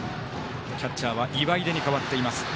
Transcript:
キャッチャーは岩出に代わっています。